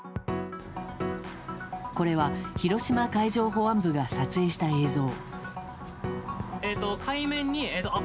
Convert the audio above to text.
これは、広島海上保安部が撮影した映像。